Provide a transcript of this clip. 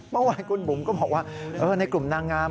เมื่อวานคุณบุ๋มก็บอกว่าในกลุ่มนางงาม